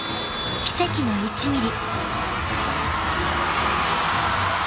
奇跡の１ｍｍ］